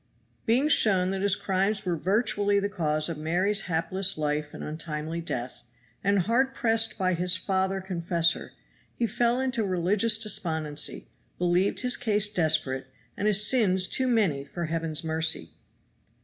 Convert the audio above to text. Being shown that his crimes were virtually the cause of Mary's hapless life and untimely death, and hard pressed by his father confessor, he fell into religious despondency; believed his case desperate, and his sins too many for Heaven's mercy.